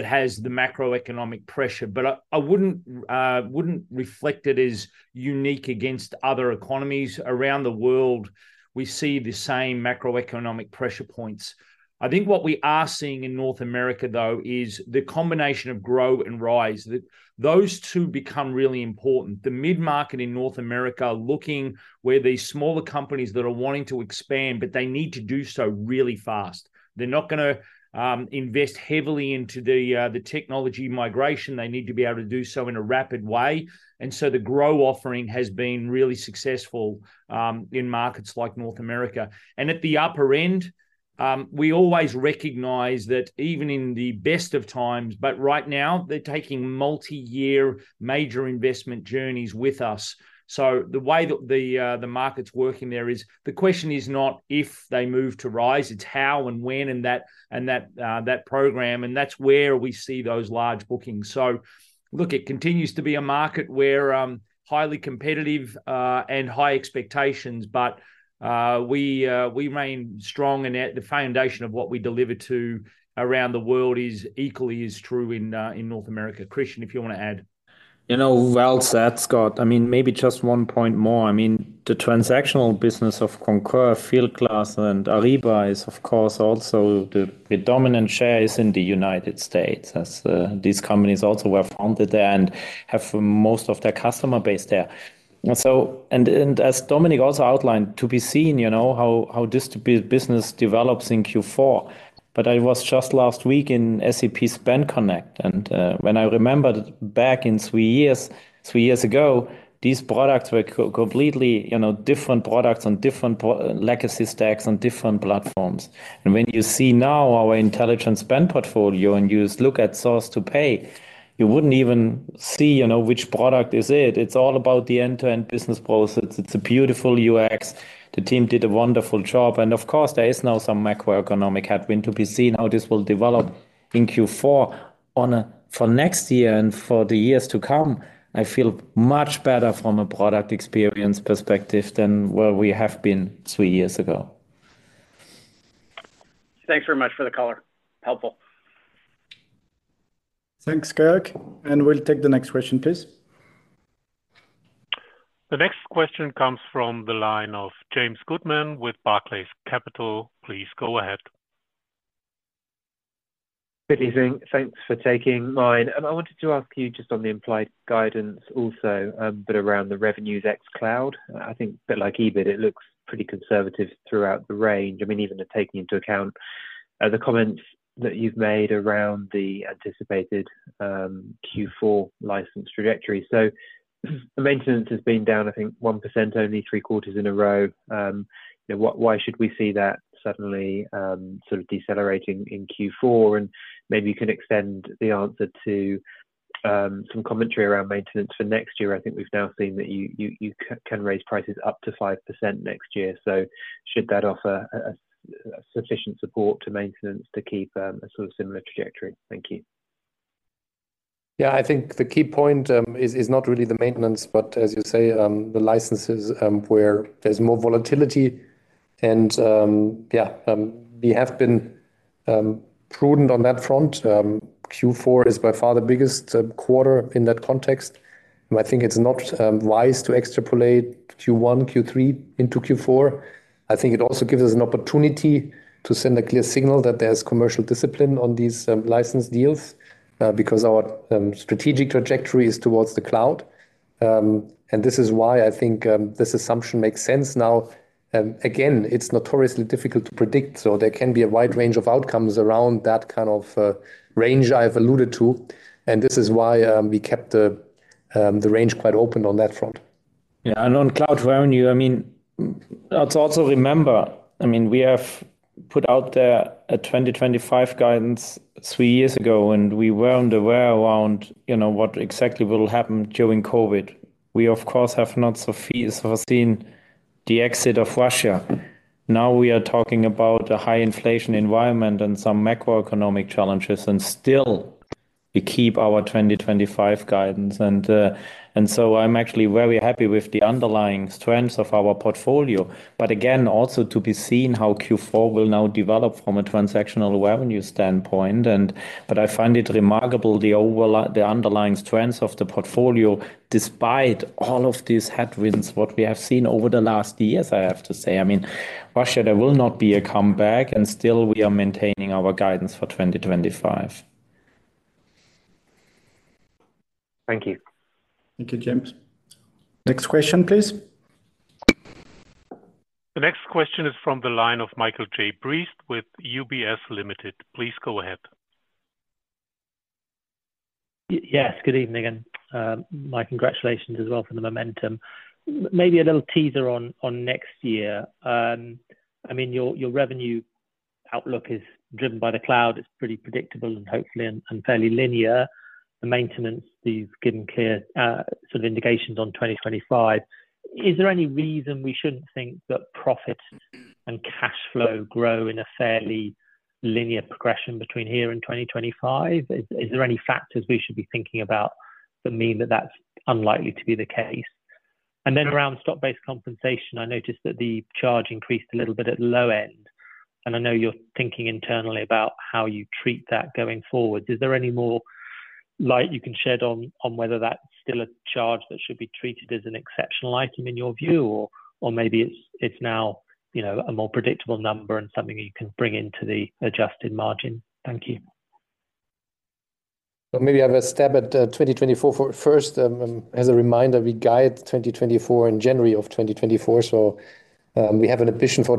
has the macroeconomic pressure, but I wouldn't reflect it as unique against other economies. Around the world, we see the same macroeconomic pressure points. I think what we are seeing in North America, though, is the combination of GROW and RISE, that those two become really important. The mid-market in North America are looking where these smaller companies that are wanting to expand, but they need to do so really fast. They're not gonna invest heavily into the technology migration. They need to be able to do so in a rapid way, and so the GROW offering has been really successful in markets like North America. And at the upper end, we always recognize that even in the best of times, but right now, they're taking multi-year major investment journeys with us. So the way that the market's working there is, the question is not if they move to RISE, it's how and when and that, and that program, and that's where we see those large bookings. So look, it continues to be a market where highly competitive and high expectations, but we remain strong, and at the foundation of what we deliver to around the world is equally as true in North America. Christian, if you want to add. You know, well said, Scott. I mean, maybe just one point more. I mean, the transactional business of Concur, Fieldglass, and Ariba is, of course, also the dominant share is in the United States, as these companies also were founded there and have most of their customer base there. And so, and as Dominik also outlined, to be seen, you know, how this business develops in Q4. But I was just last week in SAP Spend Connect, and when I remembered back in three years, three years ago, these products were completely, you know, different products on different legacy stacks on different platforms. And when you see now our Intelligent Spend portfolio, and you look at Source-to-Pay, you wouldn't even see, you know, which product is it. It's all about the end-to-end business process. It's a beautiful UX. The team did a wonderful job, and of course, there is now some macroeconomic headwind to be seen how this will develop in Q4. For next year and for the years to come, I feel much better from a product experience perspective than where we have been three years ago. Thanks very much for the color. Helpful. Thanks, Kirk, and we'll take the next question, please. The next question comes from the line of James Goodman with Barclays Capital. Please go ahead. Good evening. Thanks for taking mine. I wanted to ask you just on the implied guidance also, but around the revenues ex cloud. I think a bit like EBIT, it looks pretty conservative throughout the range. I mean, even taking into account, the comments that you've made around the anticipated, Q4 license trajectory. So the maintenance has been down, I think, 1%, only three quarters in a row. You know, why, why should we see that suddenly, sort of decelerating in Q4? And maybe you can extend the answer to, some commentary around maintenance for next year. I think we've now seen that you can raise prices up to 5% next year. So should that offer a sufficient support to maintenance to keep, a sort of similar trajectory? Thank you. Yeah, I think the key point is not really the maintenance, but as you say, the licenses, where there's more volatility and, yeah. We have been prudent on that front. Q4 is by far the biggest quarter in that context, and I think it's not wise to extrapolate Q1, Q3 into Q4. I think it also gives us an opportunity to send a clear signal that there's commercial discipline on these license deals, because our strategic trajectory is towards the cloud. And this is why I think this assumption makes sense now. Again, it's notoriously difficult to predict, so there can be a wide range of outcomes around that kind of range I've alluded to, and this is why we kept the range quite open on that front. Yeah, and on cloud revenue, I mean, let's also remember, I mean, we have put out there a 2025 guidance three years ago, and we weren't aware around, you know, what exactly will happen during COVID. We, of course, have not so foreseen the exit of Russia. Now we are talking about a high inflation environment and some macroeconomic challenges, and still we keep our 2025 guidance. And, and so I'm actually very happy with the underlying strengths of our portfolio. But again, also to be seen how Q4 will now develop from a transactional revenue standpoint. But I find it remarkable the underlying strengths of the portfolio, despite all of these headwinds, what we have seen over the last years, I have to say. I mean, Russia, there will not be a comeback, and still we are maintaining our guidance for 2025. Thank you. Thank you, James. Next question, please. The next question is from the line of Michael Briest with UBS Limited. Please go ahead. Yes, good evening, and my congratulations as well for the momentum. Maybe a little teaser on next year. I mean, your revenue outlook is driven by the cloud. It's pretty predictable and hopefully and fairly linear. The maintenance, you've given clear sort of indications on 2025. Is there any reason we shouldn't think that profit and cash flow grow in a fairly linear progression between here and 2025? Is there any factors we should be thinking about that mean that that's unlikely to be the case? And then around stock-based compensation, I noticed that the charge increased a little bit at the low end, and I know you're thinking internally about how you treat that going forward. Is there any more light you can shed on, on whether that's still a charge that should be treated as an exceptional item in your view? Or, or maybe it's, it's now, you know, a more predictable number and something you can bring into the adjusted margin. Thank you. So maybe I have a stab at 2024 for first. As a reminder, we guide 2024 in January 2024, so we have an ambition for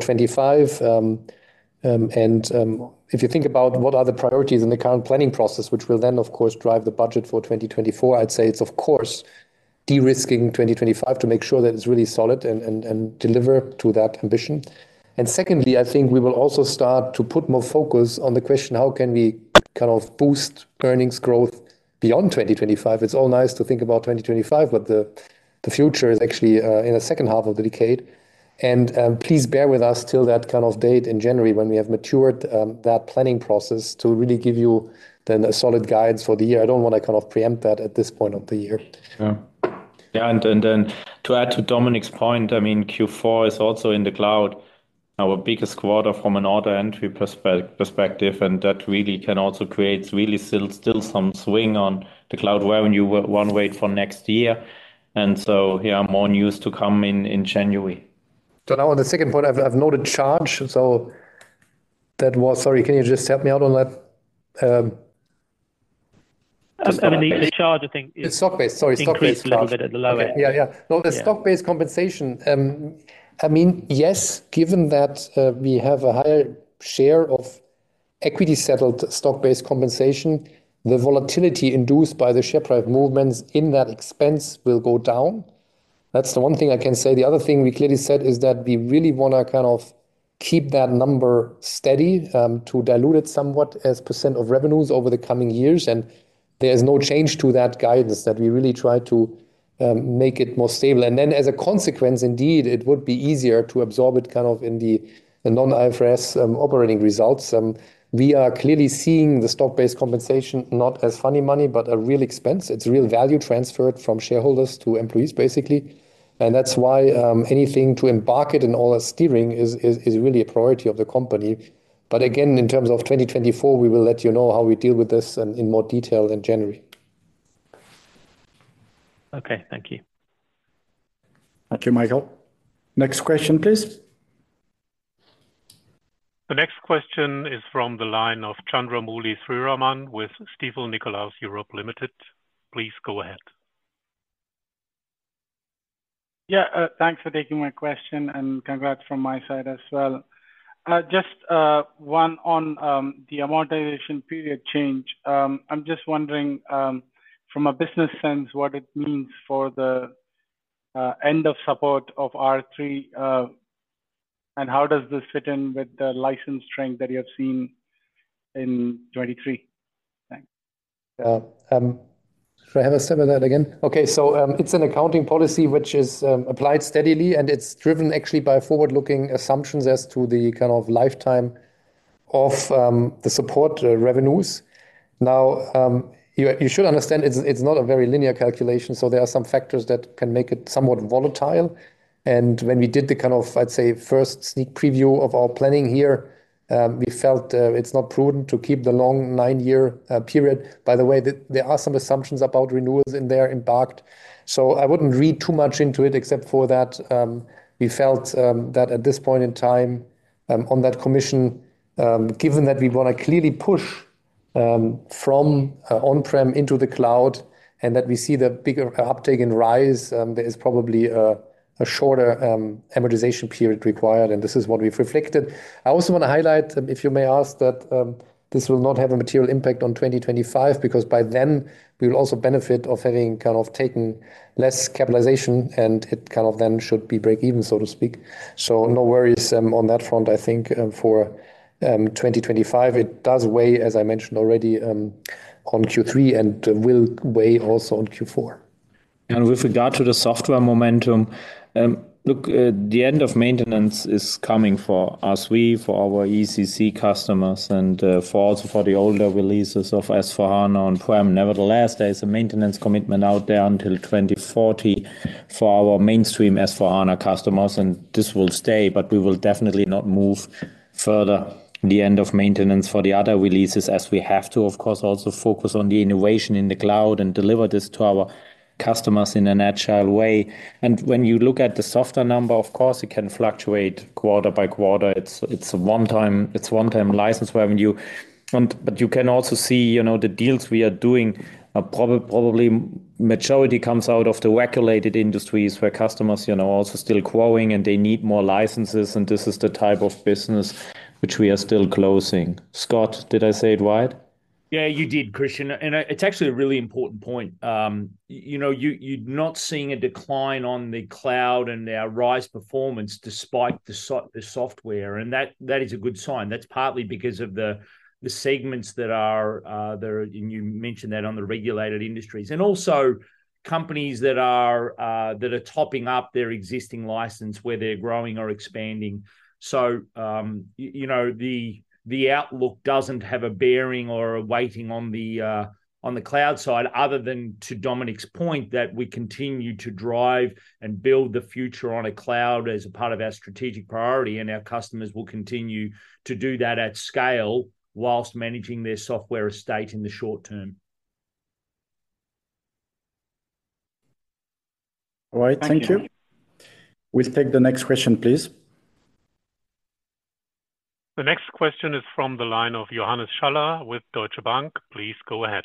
2025. If you think about what are the priorities in the current planning process, which will then, of course, drive the budget for 2024, I'd say it's of course de-risking 2025 to make sure that it's really solid and deliver to that ambition. And secondly, I think we will also start to put more focus on the question, how can we kind of boost earnings growth beyond 2025? It's all nice to think about 2025, but the future is actually in the second half of the decade. Please bear with us till that kind of date in January when we have matured that planning process to really give you then a solid guide for the year. I don't want to kind of preempt that at this point of the year. Yeah. Yeah, and to add to Dominik's point, I mean, Q4 is also in the cloud, our biggest quarter from an order entry perspective, and that really can also create some swing on the cloud revenue one way for next year. And so, yeah, more news to come in January. So now on the second point, I've noted charge, so that was, sorry, can you just help me out on that? I mean, the charge, I think is- The stock-based. Sorry, stock-based. Increased a little bit at the low end. Okay. Yeah, yeah. Yeah. No, the stock-based compensation, I mean, yes, given that, we have a higher share of equity settled stock-based compensation, the volatility induced by the share price movements in that expense will go down. That's the one thing I can say. The other thing we clearly said is that we really want to kind of keep that number steady, to dilute it somewhat as percent of revenues over the coming years, and there is no change to that guidance that we really try to, make it more stable. And then, as a consequence, indeed, it would be easier to absorb it kind of in the, the non-IFRS, operating results. We are clearly seeing the stock-based compensation not as funny money, but a real expense. It's real value transferred from shareholders to employees, basically. That's why, anything to embark it and all that steering is really a priority of the company. But again, in terms of 2024, we will let you know how we deal with this in more detail in January. Okay. Thank you. Thank you, Michael. Next question, please. The next question is from the line of Chandramouli Sriraman with Stifel Nicolaus Europe Limited. Please go ahead. Yeah, thanks for taking my question, and congrats from my side as well. Just one on the amortization period change. I'm just wondering, from a business sense, what it means for the end of support of R/3, and how does this fit in with the license strength that you have seen in 2023? Thanks. Should I have a say with that again? Okay, so, it's an accounting policy which is applied steadily, and it's driven actually by forward-looking assumptions as to the kind of lifetime of the support revenues. Now, you should understand, it's not a very linear calculation, so there are some factors that can make it somewhat volatile. When we did the kind of, I'd say, first sneak preview of our planning here, we felt it's not prudent to keep the long nine-year period. By the way, there are some assumptions about renewals in there embarked. So I wouldn't read too much into it, except for that, we felt that at this point in time, on that commission, given that we want to clearly push from on-prem into the cloud, and that we see the bigger uptick in RISE, there is probably a shorter amortization period required, and this is what we've reflected. I also want to highlight, if you may ask, that this will not have a material impact on 2025, because by then, we will also benefit of having kind of taken less capitalization, and it kind of then should be break even, so to speak. So no worries on that front, I think, for 2025. It does weigh, as I mentioned already, on Q3 and will weigh also on Q4. With regard to the software momentum, look, the end of maintenance is coming for us, for our ECC customers, and for also for the older releases of S/4HANA on-prem. Nevertheless, there is a maintenance commitment out there until 2040 for our mainstream S/4HANA customers, and this will stay, but we will definitely not move further the end of maintenance for the other releases as we have to, of course, also focus on the innovation in the cloud and deliver this to our customers in an agile way. When you look at the software number, of course, it can fluctuate quarter by quarter. It's a one-time license revenue. But you can also see, you know, the deals we are doing are probably majority comes out of the regulated industries where customers, you know, are also still growing and they need more licenses, and this is the type of business which we are still closing. Scott, did I say it right? Yeah, you did, Christian. And it's actually a really important point. You know, you're not seeing a decline on the cloud and our RISE performance despite the software, and that is a good sign. That's partly because of the segments that are there, and you mentioned that on the regulated industries. And also companies that are topping up their existing license, where they're growing or expanding. So, you know, the outlook doesn't have a bearing or a waiting on the cloud side, other than to Dominik's point, that we continue to drive and build the future on a cloud as a part of our strategic priority, and our customers will continue to do that at scale while managing their software estate in the short term. All right. Thank you. We take the next question, please. The next question is from the line of Johannes Schaller with Deutsche Bank. Please go ahead.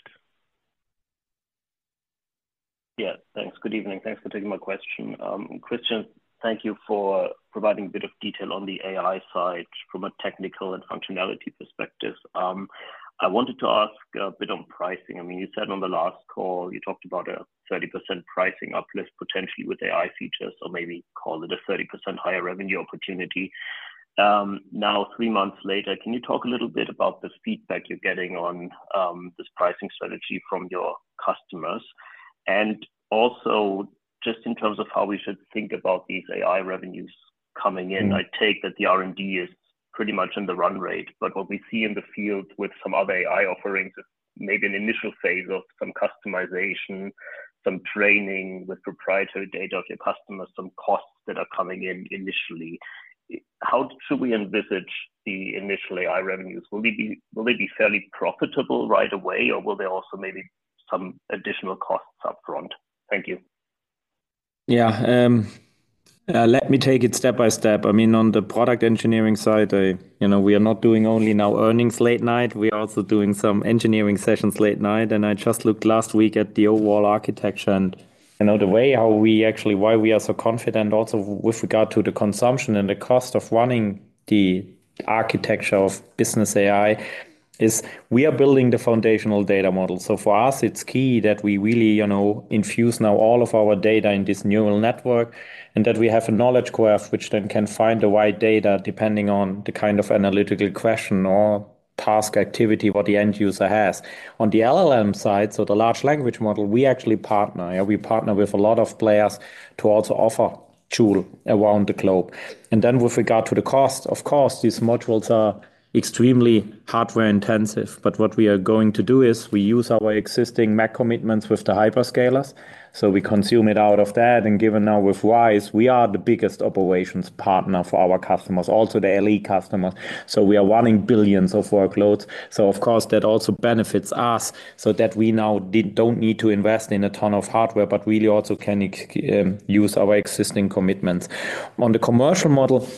Yeah, thanks. Good evening. Thanks for taking my question. Christian, thank you for providing a bit of detail on the AI side from a technical and functionality perspective. I wanted to ask a bit on pricing. I mean, you said on the last call, you talked about a 30% pricing uplift, potentially with AI features, or maybe call it a 30% higher revenue opportunity. Now, three months later, can you talk a little bit about the feedback you're getting on this pricing strategy from your customers? And also, just in terms of how we should think about these AI revenues coming in, I take that the R&D is pretty much in the run rate. But what we see in the field with some other AI offerings is maybe an initial phase of some customization, some training with proprietary data of your customers, some costs that are coming in initially. How should we envisage the initial AI revenues? Will they be, will they be fairly profitable right away, or will there also maybe some additional costs upfront? Thank you. Yeah. Let me take it step by step. I mean, on the product engineering side, I, you know, we are not doing only now earnings late night, we are also doing some engineering sessions late night, and I just looked last week at the overall architecture. And, you know, the way how we actually, why we are so confident also with regard to the consumption and the cost of running the architecture of Business AI, is we are building the foundational data model. So for us, it's key that we really, you know, infuse now all of our data in this neural network, and that we have a knowledge graph which then can find the right data, depending on the kind of analytical question or task activity what the end user has. On the LLM side, so the large language model, we actually partner. Yeah, we partner with a lot of players to also offer Joule around the globe. Then with regard to the cost, of course, these modules are extremely hardware intensive, but what we are going to do is we use our existing MACC commitments with the hyperscalers. So we consume it out of that, and given now with RISE, we are the biggest operations partner for our customers, also the LE customers. So we are running billions of workloads. So of course, that also benefits us, so that we now don't need to invest in a ton of hardware, but really also can use our existing commitments. On the commercial model,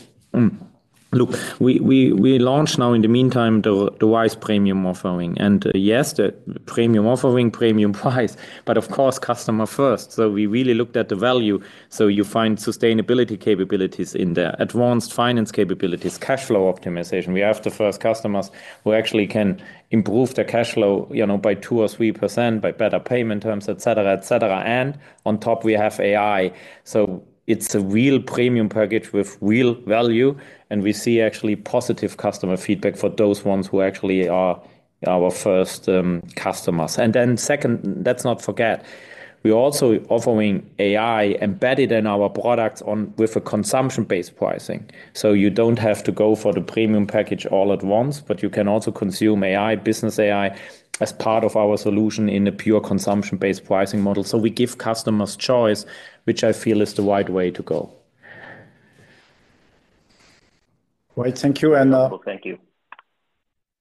look, we, we launched now in the meantime, the RISE premium offering. Yes, the premium offering, premium price, but of course, customer first. So we really looked at the value. So you find sustainability capabilities in there, advanced finance capabilities, cash flow optimization. We have the first customers who actually can improve their cash flow, you know, by 2% or 3%, by better payment terms, et cetera, et cetera. And on top, we have AI. So it's a real premium package with real value, and we see actually positive customer feedback for those ones who actually are our first customers. And then second, let's not forget, we're also offering AI embedded in our products with a consumption-based pricing. So you don't have to go for the premium package all at once, but you can also consume AI, Business AI, as part of our solution in a pure consumption-based pricing model. So we give customers choice, which I feel is the right way to go. Right. Thank you, and- Thank you.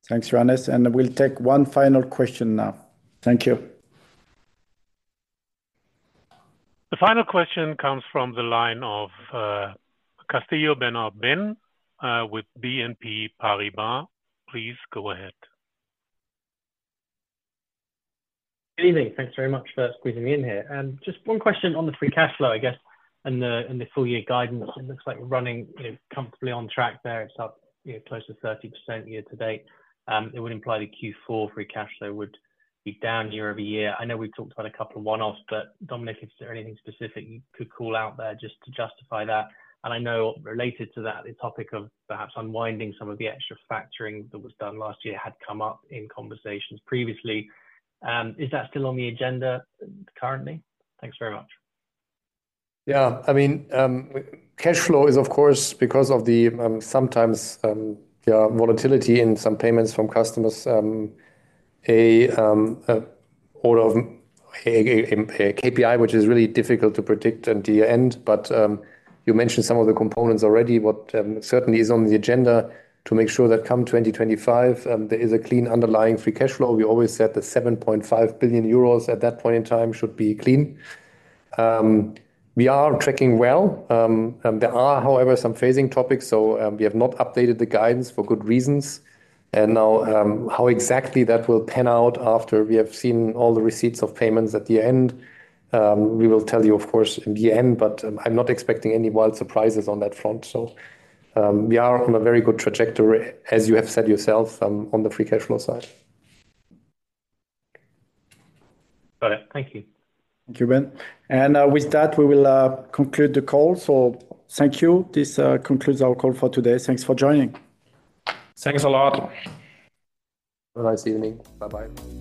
Thanks, Johannes. We'll take one final question now. Thank you. The final question comes from the line of Ben Castillo-Bernaus with BNP Paribas. Please go ahead. Good evening. Thanks very much for squeezing me in here. Just one question on the free cash flow, I guess, and the full-year guidance. It looks like we're running, you know, comfortably on track there. It's up, you know, close to 30% year-to-date. It would imply the Q4 free cash flow would be down year-over-year. I know we've talked about a couple of one-offs, but Dominik, is there anything specific you could call out there just to justify that? And I know related to that, the topic of perhaps unwinding some of the extra factoring that was done last year had come up in conversations previously. Is that still on the agenda currently? Thanks very much. Yeah. I mean, cash flow is, of course, because of the, sometimes, volatility in some payments from customers, or of a KPI, which is really difficult to predict until the end. But, you mentioned some of the components already. What certainly is on the agenda to make sure that come 2025, there is a clean underlying free cash flow. We always said that 7.5 billion euros at that point in time should be clean. We are tracking well, and there are, however, some phasing topics, so, we have not updated the guidance for good reasons. And now, how exactly that will pan out after we have seen all the receipts of payments at the end, we will tell you, of course, in the end, but, I'm not expecting any wild surprises on that front. So, we are on a very good trajectory, as you have said yourself, on the free cash flow side. Got it. Thank you. Thank you, Ben. With that, we will conclude the call. Thank you. This concludes our call for today. Thanks for joining. Thanks a lot. Have a nice evening. Bye-bye.